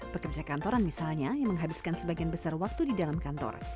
pekerja kantoran misalnya yang menghabiskan sebagian besar waktu di dalam kantor